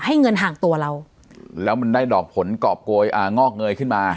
เงินห่างตัวเราแล้วมันได้ดอกผลกรอบโกยอ่างอกเงยขึ้นมา